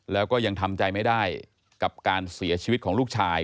แล้วก็ยังทำใจไม่ได้กับการเสียชีวิตของลูกชาย